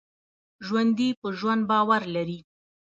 ژوندي په ژوند باور لري